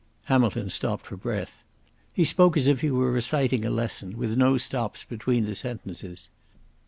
Hamilton stopped for breath. He spoke as if he were reciting a lesson, with no stops between the sentences.